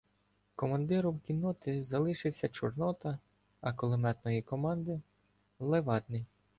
Командиром кінноти залишився Чорнота, а кулеметної команди — Левадний.